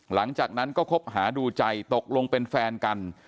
หลังจากนั้นก็คบหาดูใจตกลงเป็นแฟนกัน